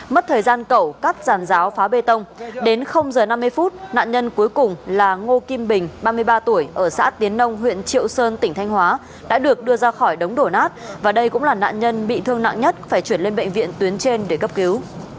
mất thời gian cẩu cắt giàn giáo phá bê tông đến h năm mươi phút nạn nhân cuối cùng là ngô kim bình ba mươi ba tuổi ở xã tiến nông huyện triệu sơn tỉnh thanh hóa đã được đưa ra khỏi đống đổ nát và đây cũng là nạn nhân bị thương nặng nhất phải chuyển lên bệnh viện tuyến trên để cấp cứu